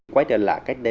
quay trở lại